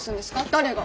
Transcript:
誰が？